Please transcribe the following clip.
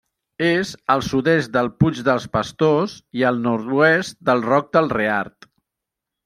És al sud-est del Puig dels Pastors i al nord-oest del Roc del Reart.